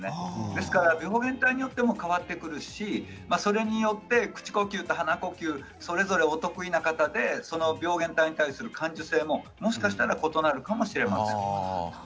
ですから病原体によっても変わってくるしそれによって口呼吸と鼻呼吸それぞれ大得意なほうで病原体に対する感受性もそれぞれ異なるかもしれません。